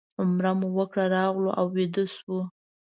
عمره مو وکړه راغلو او ویده شوو.